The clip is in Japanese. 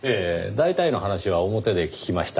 大体の話は表で聞きました。